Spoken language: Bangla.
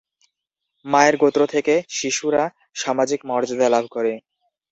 মায়ের গোত্র থেকে শিশুরা সামাজিক মর্যাদা লাভ করে।